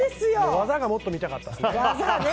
技がもっと見たかったです。